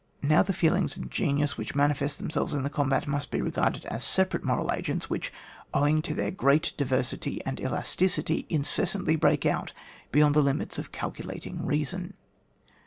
Now the feelings and the genius which manifest themselves in the combat must be regarded as separate moral agen cies which, owing to their great diver sity and elasticity, incessantly break out beyond the limits of calculating reason.